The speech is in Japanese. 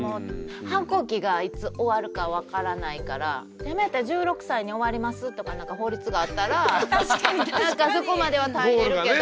反抗期がいつ終わるか分からないからせめて１６歳に終わりますとかなんか法律があったらなんかそこまでは耐えれるけど。